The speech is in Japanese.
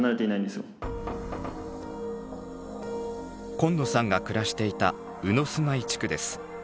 紺野さんが暮らしていた鵜住居地区です。